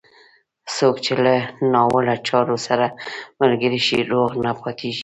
څوک چې له ناوړه چارو سره ملګری شي، روغ نه پاتېږي.